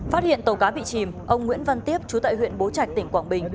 phát hiện tàu cá bị chìm ông nguyễn văn tiếp chú tại huyện bố trạch tỉnh quảng bình